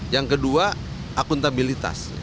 yang kedua akuntabilitas